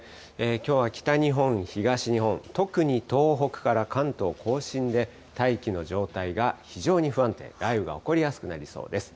きょうは北日本、東日本、特に東北から関東甲信で大気の状態が非常に不安定、雷雨が起こりやすくなりそうです。